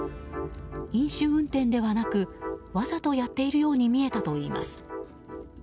飲酒運転ではなくわざとやっているように見えたといいます。